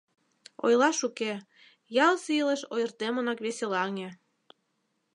Ойлаш уке, ялысе илыш ойыртемынак веселаҥе!